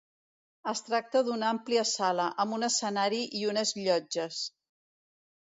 Es tracta d'una àmplia sala, amb un escenari i unes llotges.